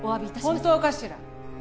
本当かしら？